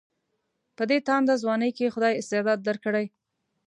په دې تانده ځوانۍ کې خدای استعداد درکړی.